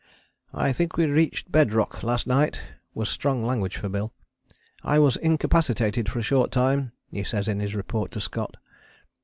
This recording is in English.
"I think we reached bed rock last night," was strong language for Bill. "I was incapacitated for a short time," he says in his report to Scott.